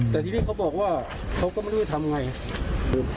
แต่ทีนี้เขาบอกว่าเขาก็ไม่รู้จะทำไง